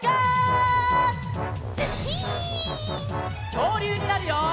きょうりゅうになるよ！